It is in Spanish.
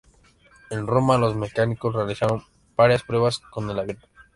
En Roma, los mecánicos realizaron varias pruebas con el avión.